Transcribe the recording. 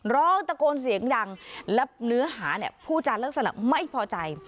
ร้องตะโกนเสียงดังและเนื้อหาเนี่ยผู้จานลักษณะไม่พอใจ